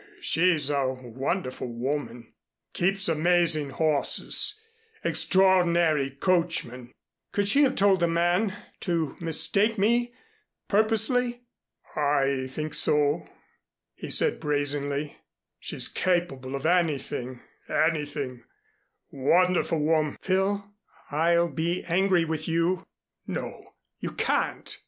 She's a wonderful woman keeps amazing horses extraordinary coachmen " "Could she have told the man to mistake me purposely?" "I think so," he said brazenly. "She's capable of anything anything wonderful wom " "Phil, I'll be angry with you." "No, you can't."